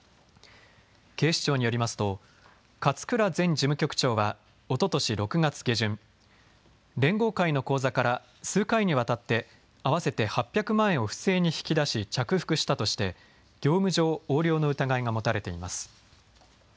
警視庁によりますと勝倉前事務局長はおととし６月下旬、連合会の口座から数回にわたって合わせて８００万円を不正に引き出し着服したとして業務上横領の疑いが持たれています。